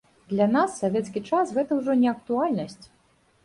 Для нас савецкі час гэта ўжо не актуальнасць.